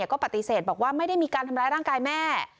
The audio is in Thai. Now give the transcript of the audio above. ก็ปฏิเสธบอกว่าไม่ได้มีการทำร้ายร่างกายแม่